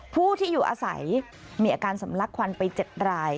ผู้ที่อยู่อาศัยมีอาการสำลักควันไป๗ราย